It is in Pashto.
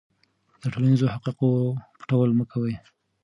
د ټولنیزو حقایقو پټول مه کوه.